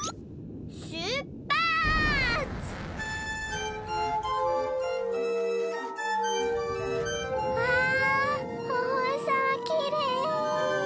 しゅっぱつ！わおほしさまきれい。